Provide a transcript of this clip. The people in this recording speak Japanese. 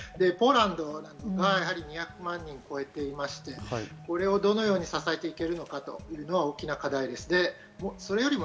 ポーランドなどが２００万人を超えていまして、これをどのように支えていけるのかというのが大きな課題になると思います。